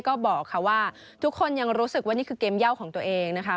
ก็บอกค่ะว่าทุกคนยังรู้สึกว่านี่คือเกมเย่าของตัวเองนะคะ